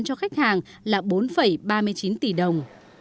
công suất điện mặt trời lắp đặt cho khách hàng là bốn ba mươi chín tỷ đồng